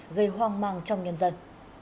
gây hoang mang trong nhân dân